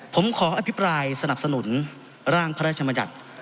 ผมขออภิปรายสนับสนุนร่างพระราชมัญญัติ